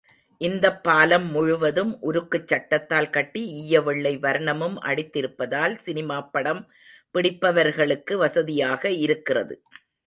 இந்தப் பாலம் முழுவதும் உருக்குச்சட்டத்தால் கட்டி ஈயவெள்ளை வர்ணமும் அடித்திருப்பதால் சினிமாப்படம் பிடிப்பவர்களுக்கு வசதியாக இருக்கிறது.